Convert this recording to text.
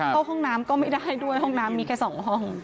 เข้าห้องน้ำก็ไม่ได้ด้วยห้องน้ำมีแค่๒ห้อง